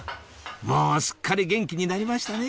もうすっかり元気になりましたね